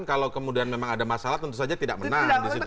kalau kemudian memang ada masalah tentu saja tidak menang